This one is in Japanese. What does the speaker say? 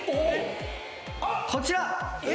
こちら！